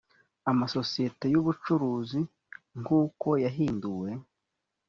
amasosiyete y’ubucuruzi nk’uko yahinduwe